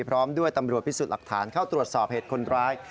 พร้อมด้วยตำรวจพิสูจน์หลักฐานเข้าตรวจสอบเหตุคนร้าย